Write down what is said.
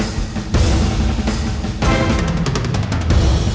sekarang nggak ada ya